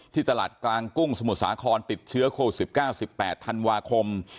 ที่ตลาดกลางกุ้งสมุทรสาครติดเชื้อโค้ดสิบเก้าสิบแปดธันวาคม